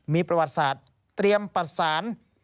มีประวัติศาสตร์เตรียมประสาน